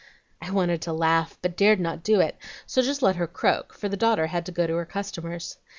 I wanted to laugh, but dared not do it, so just let her croak, for the daughter had to go to her customers.